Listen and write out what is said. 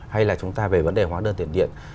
hay là chúng ta về vấn đề hóa đơn tiền điện